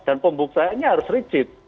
dan pembuktiannya harus rigid